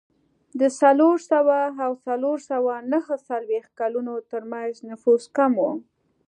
د څلور سوه او څلور سوه نهه څلوېښت کلونو ترمنځ نفوس کم و.